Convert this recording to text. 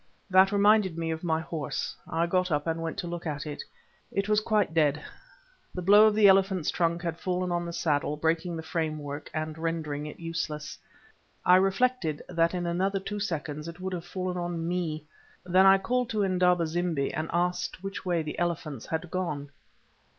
That reminded me of my horse—I got up and went to look at it. It was quite dead, the blow of the elephant's trunk had fallen on the saddle, breaking the framework, and rendering it useless. I reflected that in another two seconds it would have fallen on me. Then I called to Indaba zimbi and asked which way the elephants had gone.